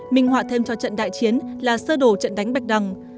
minh họa thêm cho trận đại chiến là sơ đồ trận đánh bạch đằng